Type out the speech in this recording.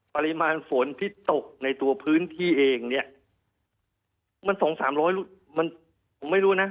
ปริมาณฝนที่ตกในตัวพื้นที่เองเนี่ยมันสองสามร้อยมันผมไม่รู้นะ